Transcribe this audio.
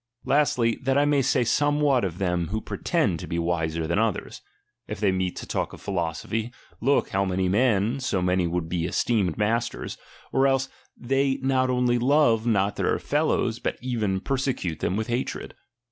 Lastly, that I may say some what of them who pretend to be wiser than others : if they meet to talk of philosophy, look, how many men, so many would be esteemed masters, or else they not only love not their fellows, but even per secute them with hatred.